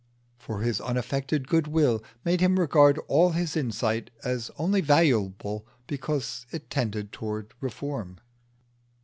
For his unaffected goodwill made him regard all his insight as only valuable because it tended towards reform.